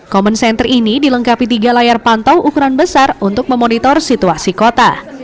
common center ini dilengkapi tiga layar pantau ukuran besar untuk memonitor situasi kota